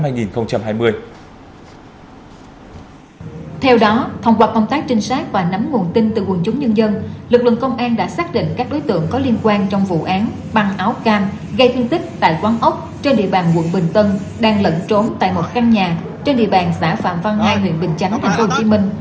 theo đó thông qua công tác trinh sát và nắm nguồn tin từ quần chúng nhân dân lực lượng công an đã xác định các đối tượng có liên quan trong vụ án băng áo cam gây thương tích tại quán ốc trên địa bàn quận bình tân đang lẫn trốn tại một căn nhà trên địa bàn xã phạm văn hai huyện bình chánh tp hcm